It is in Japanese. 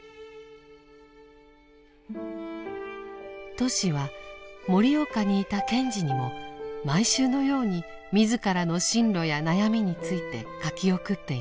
トシは盛岡にいた賢治にも毎週のように自らの進路や悩みについて書き送っています。